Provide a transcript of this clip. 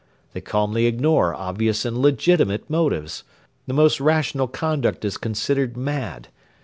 They calmly ignore obvious and legitimate motives. The most rational conduct is considered mad.